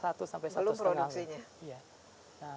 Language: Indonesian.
satu sampai satu setengah